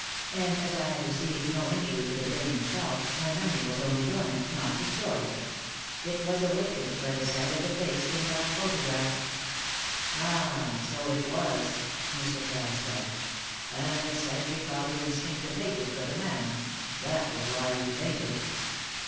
"And as I had received no injury to the brain itself, my memory was only dormant, not destroyed. It was awakened by the sight of the face in that photograph." "Ah! so it was," Mr. Cass said. "And the sight recalled your instinctive hatred for the man. That was why you fainted."